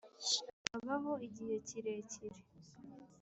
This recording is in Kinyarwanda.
abaho igihe kirekire.